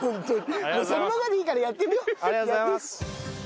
もうそのままでいいからやってみよう！